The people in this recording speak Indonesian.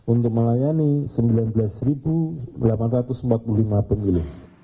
untuk melayani sembilan belas delapan ratus empat puluh lima pemilih